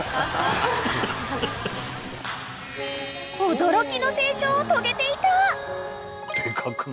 ［驚きの成長を遂げていた］